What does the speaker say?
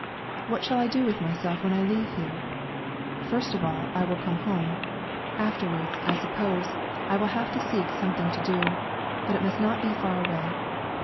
What shall I do with myself when I leave here? First, of course, I will come home; afterwards, I suppose, I will have to seek something to do, but it must not be far away.